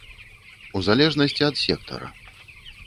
У залежнасці ад сектара.